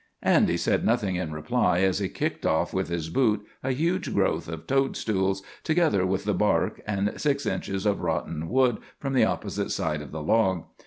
Andy said nothing in reply as he kicked off with his boot a huge growth of toadstools, together with the bark and six inches of rotten wood from the opposite side of the log.